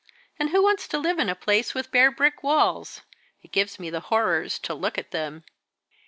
And who wants to live in a place with bare brick walls? It gives me the horrors to look at them."